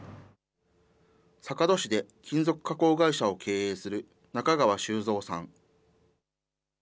坂戸市で金属加工会社を経営する中川周三さん。